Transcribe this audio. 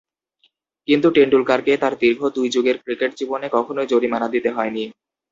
কিন্তু টেন্ডুলকারকে তার দীর্ঘ দুই যুগের ক্রিকেট জীবনে কখনোই জরিমানা দিতে হয়নি।